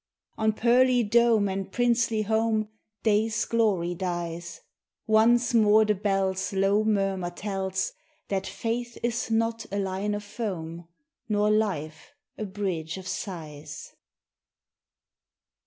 On pearly dome and princely home Day's glory dies: Once more the bells' low murmur tells That faith is not a line of foam Nor life a bridge of sighs.